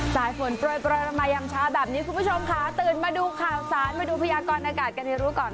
สายฝนโปรยมายามเช้าแบบนี้คุณผู้ชมค่ะตื่นมาดูข่าวสารมาดูพยากรณากาศกันให้รู้ก่อน